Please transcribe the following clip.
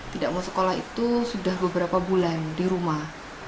tidak mau sekolah itu sudah beberapa bulan di rumah